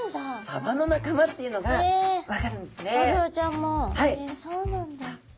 サバの仲間っていうのが分かるんですね。